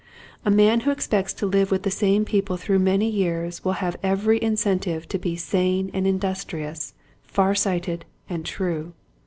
A man who expects to live with the same people through many years will have every in centive to be sane and industrious, far sighted and true.